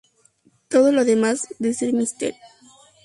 Todo lo demás, desde "Mr.